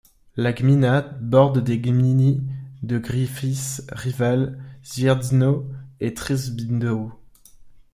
La gmina borde les gminy de Gryfice, Rewal, Świerzno et Trzebiatów.